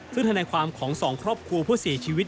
ซึ่งธนายความของสองครอบครัวผู้เสียชีวิต